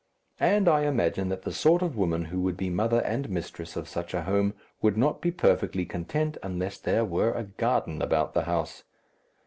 And I imagine that the sort of woman who would be mother and mistress of such a home would not be perfectly content unless there were a garden about the house.